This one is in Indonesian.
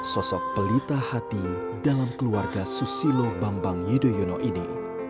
sosok pelita hati dalam keluarga susilo bambang yudhoyono ini